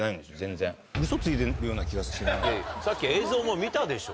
さっき映像も見たでしょ。